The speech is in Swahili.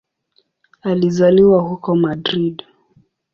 Alizaliwa huko Madrid.